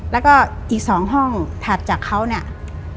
แล้วก็อีก๒ห้องถัดจากเขาเนี่ย